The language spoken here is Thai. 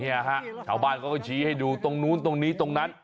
เนี่ยฮะชาวบ้านเขาก็ชี้ให้ดูตรงนู้นตรงนี้ตรงนั้น